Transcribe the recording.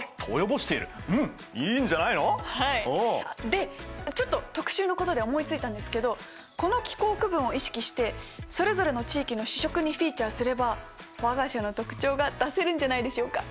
でちょっと特集のことで思いついたんですけどこの気候区分を意識してそれぞれの地域の主食にフィーチャーすれば我が社の特徴が出せるんじゃないでしょうか。